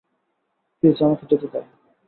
Please আমাকে যেতে দাও!